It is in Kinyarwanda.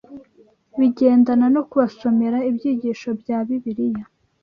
bigendana no kubasomera ibyigisho bya Bibiliya